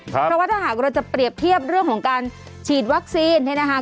เพราะว่าถ้าหากเราจะเปรียบเทียบเรื่องของการฉีดวัคซีนเนี่ยนะคะ